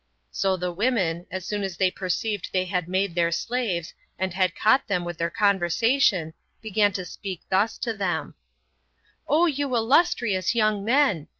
So the women, as soon as they perceived they had made their slaves, and had caught them with their conservation began to speak thus to them: 8. "O you illustrious young men!